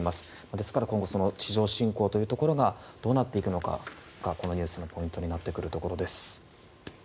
ですから、今後地上侵攻というところがどうなっていくのかがこのニュースのポイントになるところです。